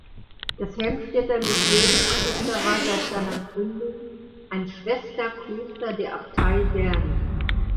Das Helmstedter Ludgeri-Kloster war seit seiner Gründung ein Schwester-Kloster der Abtei Werden.